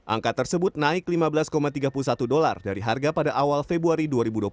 angka tersebut naik lima belas tiga puluh satu dolar dari harga pada awal februari dua ribu dua puluh satu